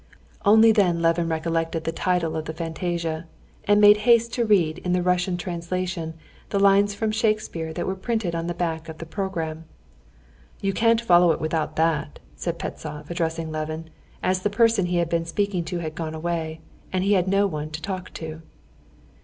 Only then Levin recollected the title of the fantasia, and made haste to read in the Russian translation the lines from Shakespeare that were printed on the back of the program. "You can't follow it without that," said Pestsov, addressing Levin, as the person he had been speaking to had gone away, and he had no one to talk to.